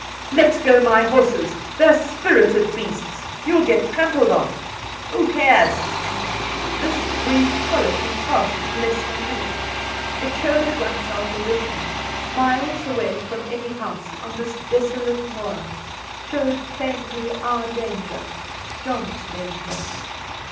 "Let go my horses! They're spirited beasts. You'll get trampled on." "Who cares?" This brief colloquy passed in less than a minute. It showed at once our position miles away from any house on this desolate moor; showed plainly our danger John's danger.